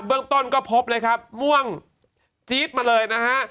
เรื่องต้นก็พบเลยครับม่วงจี๊ดมาเลยนะฮะ